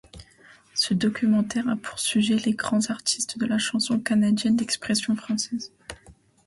Ce documentaire a pour sujet les grands artistes de la chanson canadienne d'expression française.